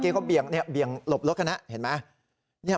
เมื่อกี้เขาเบี่ยงหลบรถค่ะนะเห็นไหม